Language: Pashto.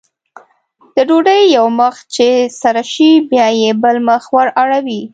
د ډوډۍ یو مخ چې سره شي بیا یې بل مخ ور اړوي.